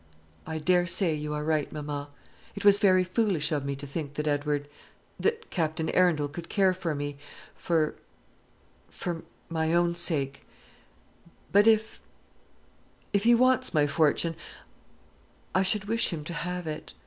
"I dare say you are right, mamma; it was very foolish of me to think that Edward that Captain Arundel could care for me, for for my own sake; but if if he wants my fortune, I should wish him to have it.